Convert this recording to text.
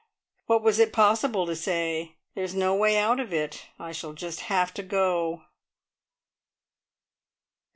What was it possible to say? There is no way out of it. I shall just have to go!